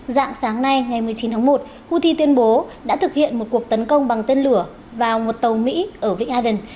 dạng sáng nay ngày một mươi chín tháng một houthi tuyên bố đã thực hiện một cuộc tấn công bằng tên lửa vào một tàu mỹ ở vĩnh aden